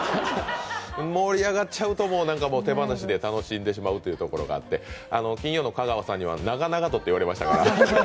盛り上がっちゃうと、手放しで楽しんでしまうというところがあって、金曜の香川さんには「長々と」と言われましたから。